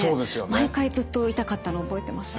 毎回ずっと痛かったの覚えてます。